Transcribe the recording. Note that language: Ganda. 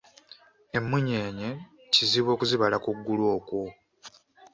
Emmunyeenye kizibu okuzibala ku ggulu okwo.